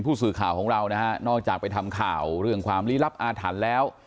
ผู้สื่อข่าวของเรานะฮะนอกจากไปทำข่าวเรื่องความลี้ลับอาถรรพ์แล้ว